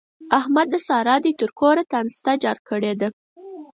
احمد د سارا دوی تر کوره تانسته جار کړې ده.